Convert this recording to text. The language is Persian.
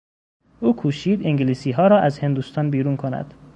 او کوشید انگلیسیها را از هندوستان بیرون کند.